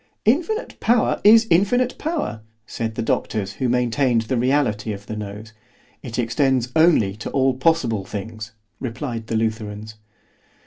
—— Infinite power is infinite power, said the doctors who maintained the reality of the nose.—It extends only to all possible things, replied the _Lutherans.